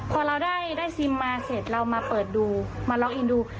พอเราได้ซิมมาเสร็จเรามาเปิดดูมาลองอินดู